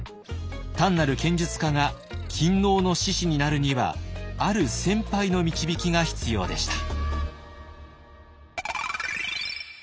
単なる剣術家が勤王の志士になるにはある先輩の導きが必要でした。